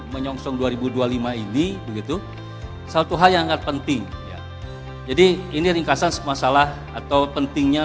dua ribu dua puluh empat menyongsong dua ribu dua puluh lima ini begitu satu hal yang agak penting jadi ini ringkasan semasalah atau pentingnya